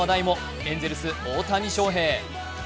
エンゼルス・大谷翔平。